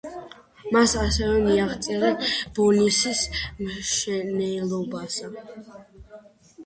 მას ასევე მიაწერენ ბოლნისის მშენებლობას.